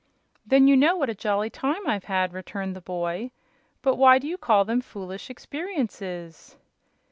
"Then you know what a jolly time I've had," returned the boy. "But why do you call them foolish experiences?"